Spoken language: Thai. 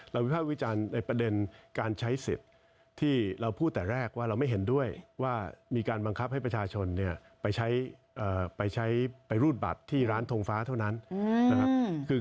วิภาควิจารณ์ในประเด็นการใช้สิทธิ์ที่เราพูดแต่แรกว่าเราไม่เห็นด้วยว่ามีการบังคับให้ประชาชนเนี่ยไปใช้ไปรูดบัตรที่ร้านทงฟ้าเท่านั้นนะครับ